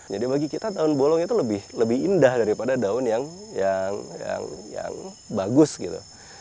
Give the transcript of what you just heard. jadi bagi kita daun bolong itu lebih indah daripada daun yang bagus gitu